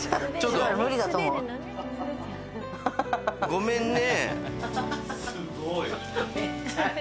ごめんね。